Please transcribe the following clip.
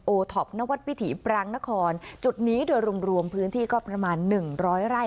ท็อปนวัดวิถีปรางนครจุดนี้โดยรวมรวมพื้นที่ก็ประมาณหนึ่งร้อยไร่